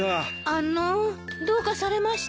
あのどうかされました？